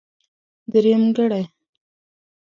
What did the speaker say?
درېمګړی.